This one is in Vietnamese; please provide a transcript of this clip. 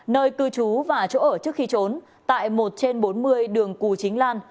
nơi cư trú và chỗ ở trước khi trốn tại một trên bốn mươi đường cù chính lan